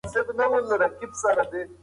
ستا په څېره کې د یوې رښتینې بریا نښې ښکاري.